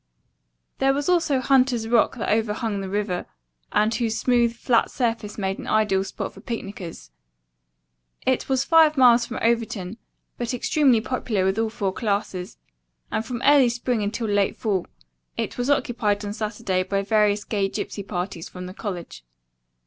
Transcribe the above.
There was also Hunter's Rock that overhung the river, and whose smooth, flat surface made an ideal spot for picnickers. It was five miles from Overton, but extremely popular with all four classes, and from early spring until late fall, it was occupied on Saturday by various gay gipsy parties from the college.